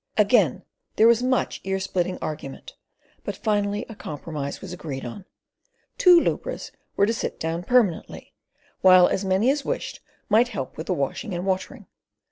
Again there was much ear splitting argument, but finally a compromise was agreed on. Two lubras were to sit down permanently, while as many as wished might help with the washing and watering.